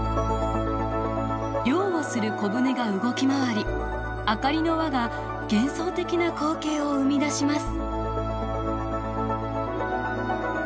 漁をする小舟が動き回り明かりの輪が幻想的な光景を生み出します。